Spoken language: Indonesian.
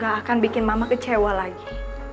gak akan bikin mama kecewa lagi